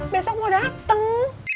besok mau dateng